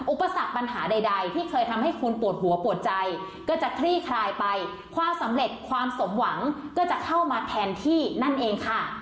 อุปสรรคปัญหาใดที่เคยทำให้คุณปวดหัวปวดใจก็จะคลี่คลายไปความสำเร็จความสมหวังก็จะเข้ามาแทนที่นั่นเองค่ะ